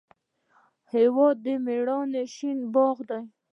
هېواد د میړانې شین باغ دی.